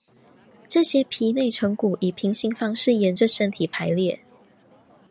这些皮内成骨以平行方式沿者身体排列。